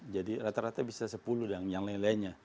rata rata bisa sepuluh dan yang lain lainnya